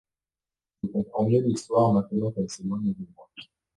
Je comprends mieux l’histoire, maintenant qu’elle s’éloigne de moi.